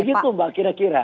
begitu mbak kira kira